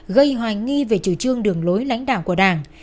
gây hoài nghi về chủ trương đường lối lãnh đạo của đảng